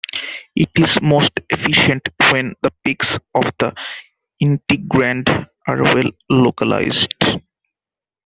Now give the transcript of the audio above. It is most efficient when the peaks of the integrand are well-localized.